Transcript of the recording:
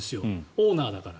オーナーだから。